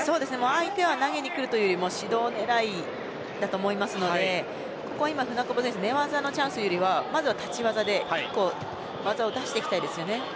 相手は投げに来るという指導狙いだと思いますのでここは今、舟久保選手寝技のチャンスよりはまずは立ち技で１個、技を出していきたいですね。